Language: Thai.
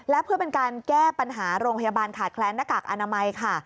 และเพื่อเป็นการแก้ปัญหาโรงพยาบาลขาดแคลนหน้ากากอนามัยค่ะ